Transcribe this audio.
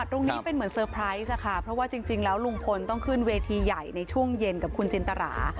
ตรงนี้เป็นเหมือนเตอร์ไพรส์ค่ะเพราะว่าจริงแล้วลุงพลต้องขึ้นเวทีใหญ่ในช่วงเย็นกับคุณจินตรา